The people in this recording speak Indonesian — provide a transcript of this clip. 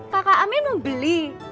kakak amin mau beli